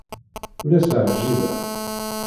Ur as-ɛjibeɣ.